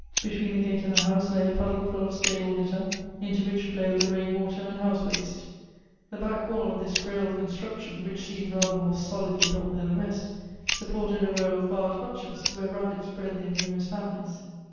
Between the gate and the house lay a puddle full of stable litter, into which flowed the rain water and house waste. The back wall of this frail construction, which seemed rather more solidly built than the rest, supported a row of barred hutches, where rabbits bred their numerous families.